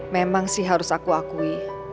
memang sih harus aku akui